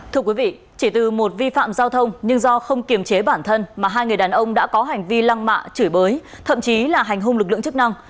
thưa quý vị chỉ từ một vi phạm giao thông nhưng do không kiềm chế bản thân mà hai người đàn ông đã có hành vi lăng mạ chửi bới thậm chí là hành hung lực lượng chức năng